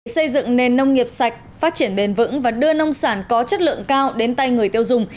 xây dựng nền nông nghiệp sạch phát triển bền vững và đưa nông sản có chất lượng cao đến tay người tiêu dùng